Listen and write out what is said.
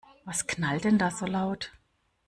Was knallt denn da so laut?